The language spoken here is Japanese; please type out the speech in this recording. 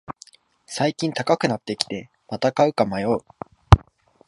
最近高くなってきて、また買うか迷う